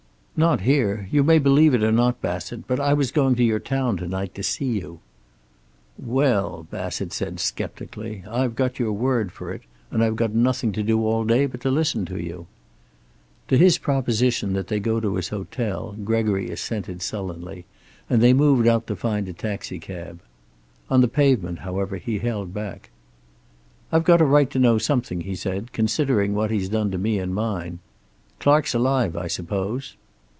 "Not here. You may believe it or not, Bassett, but I was going to your town to night to see you." "Well," Bassett said sceptically, "I've got your word for it. And I've got nothing to do all day but to listen to you." To his proposition that they go to his hotel Gregory assented sullenly, and they moved out to find a taxicab. On the pavement, however, he held back. "I've got a right to know something," he said, "considering what he's done to me and mine. Clark's alive, I suppose?"